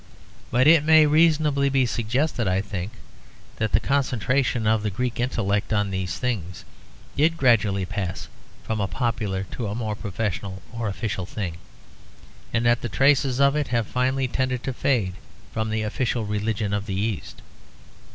But it may reasonably be suggested, I think, that the concentration of the Greek intellect on these things did gradually pass from a popular to a more professional or official thing; and that the traces of it have finally tended to fade from the official religion of the East.